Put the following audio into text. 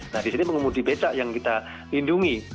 nah di sini pengumum di becak yang kita lindungi